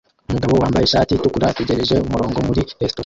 Umugabo wambaye ishati itukura ategereje umurongo muri resitora